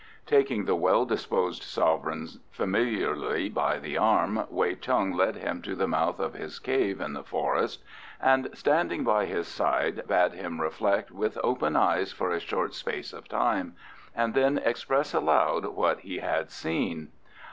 Taking the well disposed sovereign familiarly by the arm, Wei Chung led him to the mouth of his cave in the forest, and, standing by his side, bade him reflect with open eyes for a short space of time, and then express aloud what he had seen.